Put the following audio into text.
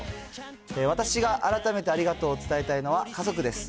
私が改めてありがとうを伝えたいのは家族です。